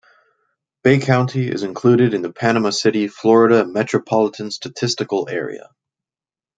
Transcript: Bay County is included in the Panama City, Florida Metropolitan Statistical Area.